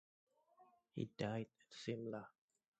He died at Shimla.